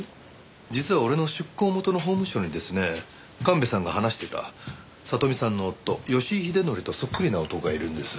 実は俺の出向元の法務省にですね神戸さんが話していた聡美さんの夫吉井秀典とそっくりな男がいるんです。